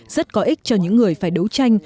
rất có ích cho những người phải đấu tranh